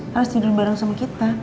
harus tidur bareng sama kita